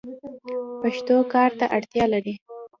پښتو کار ته اړتیا لري.